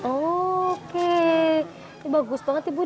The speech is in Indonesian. oke bagus banget ibu